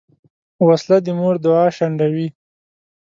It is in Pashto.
وسله د مور دعا شنډوي